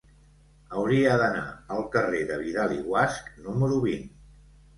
Hauria d'anar al carrer de Vidal i Guasch número vint.